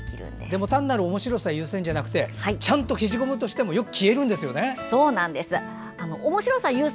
でも単なるおもしろさ優先じゃなくてちゃんと消しゴムとしてもよく消えるんですよね。